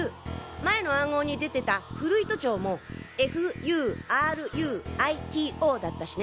前の暗号に出てた古糸町も「ＦＵＲＵＩＴＯ」だったしね。